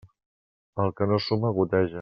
El que no suma, goteja.